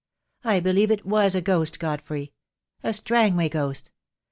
I believe it was a ghost, Godfrey — a Strangway ghost.